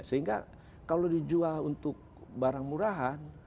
sehingga kalau dijual untuk barang murahan